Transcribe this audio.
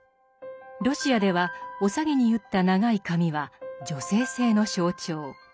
ロシアではお下げに結った長い髪は女性性の象徴。